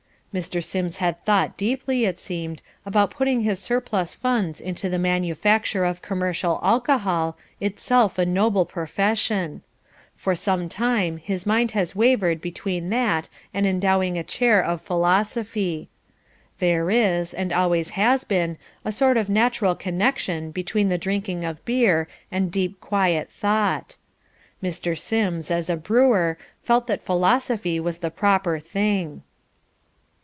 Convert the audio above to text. Mr. Sims had thought deeply, it seemed, about putting his surplus funds into the manufacture of commercial alcohol, itself a noble profession. For some time his mind has wavered between that and endowing a chair of philosophy. There is, and always has been, a sort of natural connection between the drinking of beer and deep quiet thought. Mr. Sims, as a brewer, felt that philosophy was the proper thing.